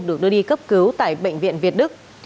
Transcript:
được đưa đi cấp cứu tại bệnh viện việt đức